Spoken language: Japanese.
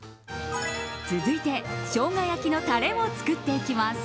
続いて、ショウガ焼きのタレを作っていきます。